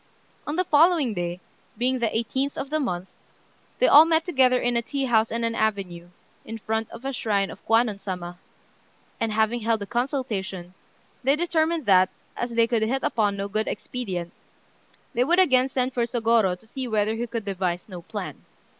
On the following day, being the 18th of the month, they all met together at a tea house in an avenue, in front of a shrine of Kwannon Sama; and having held a consultation, they determined that, as they could hit upon no good expedient, they would again send for Sôgorô to see whether he could devise no plan.